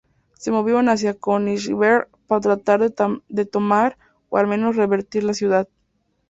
Se movieron hacia Königsberg para tratar de tomar o al menos revertir la ciudad.